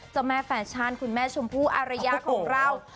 เจ้าแม่แฟชั่นคุณแม่ชมพู่อารยาของเรา